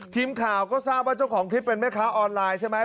ทีมข่าวก็ทราบว่าเจ้าของคลิปเป็นแม่ค้าออนไลน์ใช่ไหม